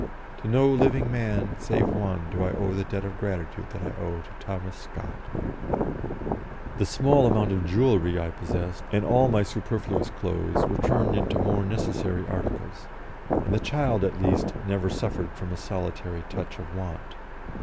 To no living man save one do I owe the debt of gratitude that I owe to Thomas Scott." The small amount of jewellery I possessed, and all my superfluous clothes, were turned into more necessary articles, and the child, at least, never suffered a solitary touch of want.